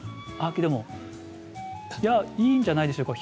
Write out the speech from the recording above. でもいいんじゃないですか。